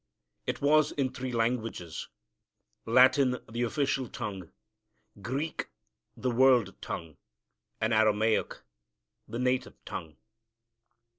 It was in three languages, Latin the official tongue, Greek the world tongue, and Aramaic the native tongue.